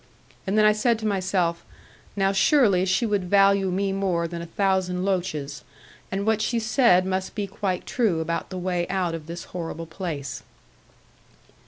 And then I said to myself, 'Now surely she would value me more than a thousand loaches; and what she said must be quite true about the way out of this horrible place.'